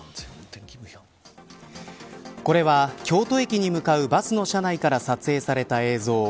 これは京都駅に向かうバスの車内から撮影された映像。